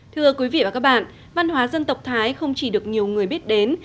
thưa quý vị và các bạn văn hóa dân tộc thái không chỉ được nhiều người biết đến